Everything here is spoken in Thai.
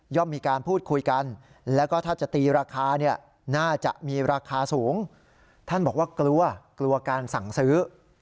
มีการพูดคุยกันแล้วก็ถ้าจะตีราคาเนี่ยน่าจะมีราคาสูงท่านบอกว่ากลัวกลัวการสั่งซื้อ